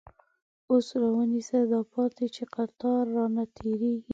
اوس را ونیسه دا پاتی، چه قطار رانه تیریږی